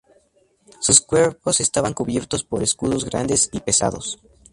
Sus cuerpos estaban cubiertos por escudos grandes y pesados.